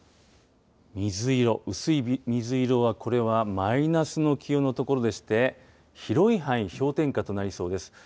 水色、薄い水色は、これはマイナスの気温の所でして、広い範囲、氷点下となりそうです。